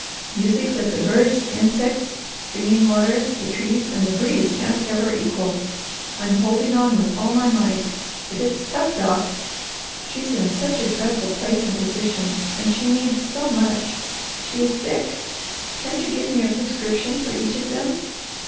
"Music that the birds, insects, Singing Water, the trees, and the breeze can't ever equal. I'm holding on with all my might, but it's tough, Doc. She's in such a dreadful place and position, and she needs so much. She is sick. Can't you give me a prescription for each of them?"